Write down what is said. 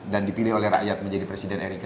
dan dipilih oleh rakyat menjadi presiden ri ke delapan